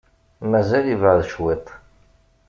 Mazal yebɛed cwiṭ.